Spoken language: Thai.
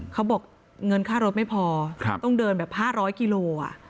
เขาบอกเงินค่ารถไม่พอต้องเดินแบบ๕๐๐กิโล